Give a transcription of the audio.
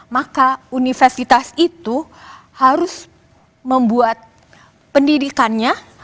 maka universitas itu harus membuat pendidikannya